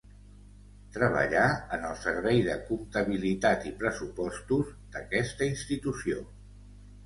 Treballà en el servei de Comptabilitat i Pressupostos d'aquesta institució.